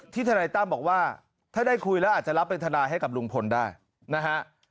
ทนายตั้มบอกว่าถ้าได้คุยแล้วอาจจะรับเป็นทนายให้กับลุงพลได้นะฮะ